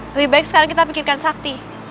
lebih baik sekarang kita pikirkan sakti